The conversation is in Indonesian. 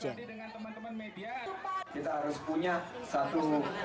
kita harus punya satu